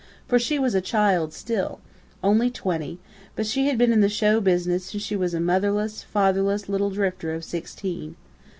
For she was a child still only twenty, but she had been in the 'show business' since she was a motherless, fatherless little drifter of sixteen....